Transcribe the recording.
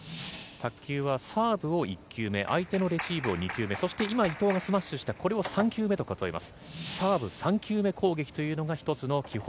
卓球はサーブを１球目、相手のレシーブを２球目、今、伊藤がスマッシュして、これを３球目と数えます。